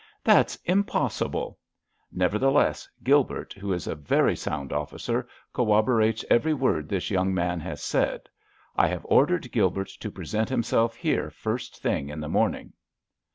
"That's impossible!" "Nevertheless, Gilbert, who is a very sound officer, corroborates every word this young man has said. I have ordered Gilbert to present himself here first thing in the morning."